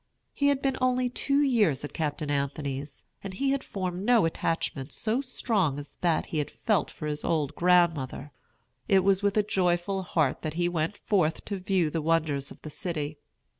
He had been only two years at Captain Anthony's, and he had formed no attachment so strong as that he had felt for his old grandmother. It was with a joyful heart that he went forth to view the wonders of the city.